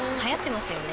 流行ってますよね